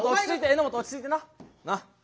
えのもと落ち着いてな！な？